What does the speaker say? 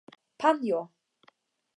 panjo